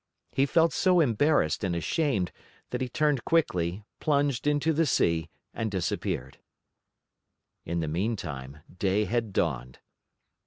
He felt so embarrassed and ashamed that he turned quickly, plunged into the sea, and disappeared. In the meantime day had dawned.